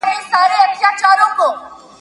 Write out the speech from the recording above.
چي پر ځان یې د مرګي د ښکاري وار سو ,